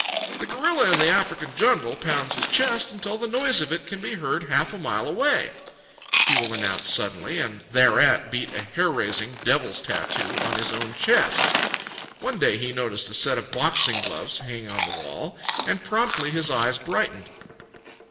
"The gorilla in the African jungle pounds his chest until the noise of it can be heard half a mile away," he will announce suddenly, and thereat beat a hair raising, devil's tattoo on his own chest. One day he noticed a set of boxing gloves hanging on the wall, and promptly his eyes brightened.